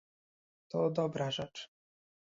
To dobra rzecz